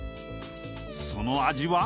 その味は？